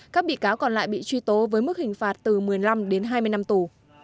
các bị cáo còn lại bị truy tố với mức hình phạt từ một mươi năm đến hai mươi năm tù